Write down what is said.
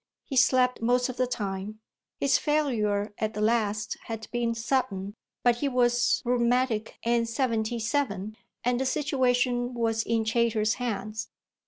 He slept most of the time his failure at the last had been sudden, but he was rheumatic and seventy seven and the situation was in Chayter's hands.